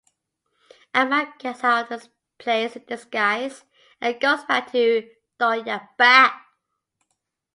Amaan gets out of the place in disguise and goes back to Darya Bagh.